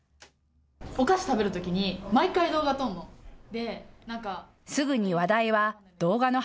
お菓子食べるときに毎回、動画撮るの。